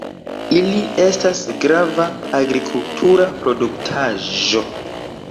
Ili estas grava agrikultura produktaĵo.